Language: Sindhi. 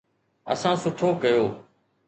اسان سٺو ڪيو.